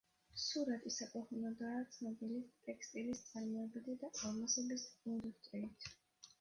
სურატი საქვეყნოდაა ცნობილი ტექსტილის წარმოებითა და ალმასების ინდუსტრიით.